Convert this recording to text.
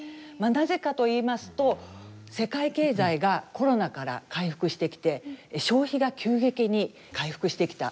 なぜかといいますと世界経済がコロナから回復してきて消費が急激に回復してきた。